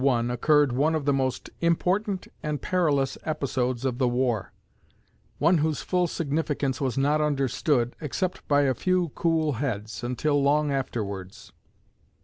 In November of 1861 occurred one of the most important and perilous episodes of the war; one whose full significance was not understood, except by a few cool heads, until long afterwards.